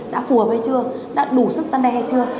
đã phù hợp hay chưa đã đủ sức gian đe hay chưa